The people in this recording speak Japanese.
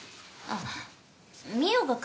あっ！